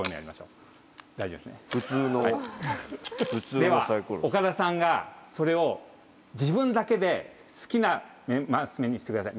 では岡田さんがそれを自分だけで好きな升目にしてください。